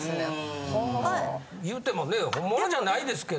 言うてもね本物じゃないですけど。